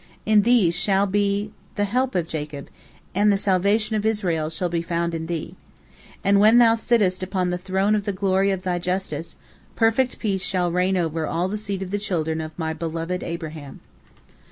In thee shall be the help of Jacob, and the salvation of Israel shall be found in thee. And when thou sittest upon the throne of the glory of thy justice, perfect peace shall reign over all the seed of the children of my beloved Abraham."